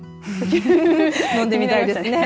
飲んでみたいですね。